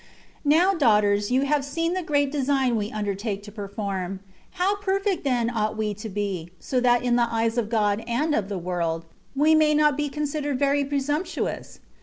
Now, daughters, you have seen the great de sign we undertake to perform. How perfect then ought we to be, so that in the eyes of God and of the world we may not be considered very pre sumptuous